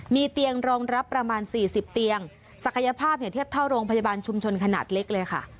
มีเตียงรองรับประมาณ๔๐เตียงศักยภาพเนี่ยเทียบเท่าโรงพยาบาลชุมชนขนาดเล็กเลยค่ะ